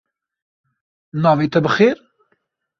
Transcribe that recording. Navê te bi xêr?